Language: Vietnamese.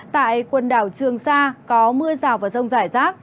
tại quần đảo trường sa có mưa rào và rông rải rác